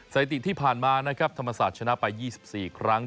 สถิติที่ผ่านมานะครับธรรมศาสตร์ชนะไป๒๔ครั้ง